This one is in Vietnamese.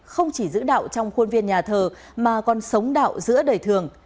không chỉ giữ đạo trong khuôn viên nhà thờ mà còn sống đạo giữa đời thường